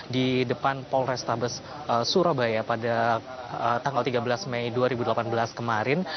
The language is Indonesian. di depan polrestabes surabaya pada tanggal tiga belas mei dua ribu delapan belas kemarin